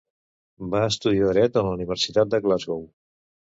Va estudiar dret a la Universitat de Glasgow.